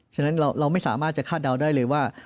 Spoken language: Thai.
ฉะนั้นเราไม่สามารถจะคาดเดาได้เลยว่า